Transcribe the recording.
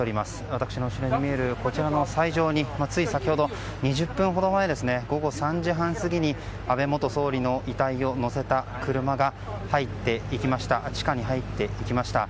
私の後ろに見えるこちらの斎場につい先ほど２０分ほど前午後３時半過ぎに安倍元総理の遺体を乗せた車が地下に入っていきました。